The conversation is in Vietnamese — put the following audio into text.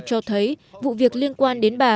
cho thấy vụ việc liên quan đến bà